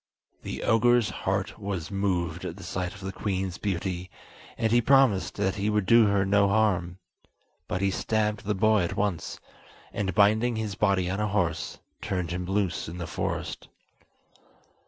The ogre's heart was moved at the sight of the queen's beauty, and he promised that he would do her no harm; but he stabbed the boy at once, and binding his body on a horse, turned him loose in the forest.